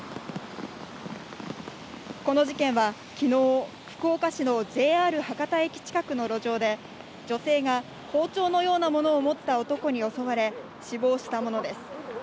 この事件は昨日、福岡市のＪＲ博多駅近くの路上で、女性が包丁のようなものを持った男に襲われ、死亡したものです。